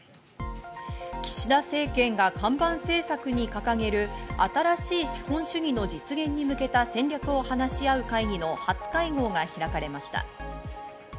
岸田政権が看板政策に掲げる、新しい資本主義の実現に向けた戦略を話し合う会議の初会合が開かれました。